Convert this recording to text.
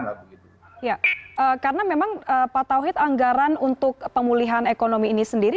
karena memang pak tauhid anggaran untuk pemulihan ekonomi ini sendiri